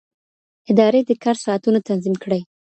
ادارې د کار ساعتونه تنظیم کړي.